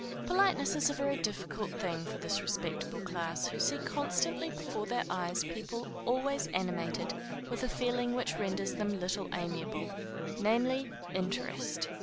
_ Politeness is a very difficult thing for this respectable class, who see constantly before their eyes people always animated with a feeling which renders them little amiable, namely, interest.